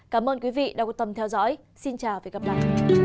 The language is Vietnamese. cảm ơn quý vị đã quan tâm theo dõi xin chào và hẹn gặp lại